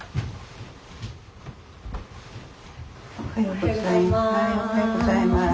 おはようございます。